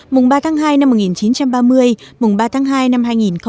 mùng ba tháng hai năm một nghìn chín trăm ba mươi mùng ba tháng hai năm hai nghìn hai mươi